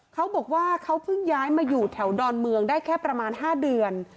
เขาบอกว่าเขาเพิ่งย้ายมาอยู่แถวดอนเมืองได้แค่ประมาณ๕เดือน